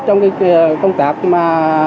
trong cái công tác mà